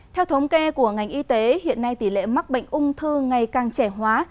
theo thống kê của ngành y tế hiện nay tỷ lệ mắc bệnh ung thư ngày càng trẻ hóa